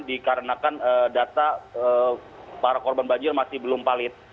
dikarenakan data para korban banjir masih belum valid